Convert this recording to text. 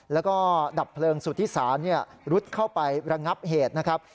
แล้วก็ดับเพลิงสุธิศาลรุดเข้าไประงับเหตุนะครับ